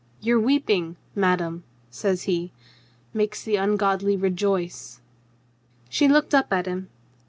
"Your weeping, madame," says he, "makes the ungodly re joice." She looked up at him.